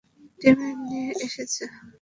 টিমের নিয়ে এসেছ।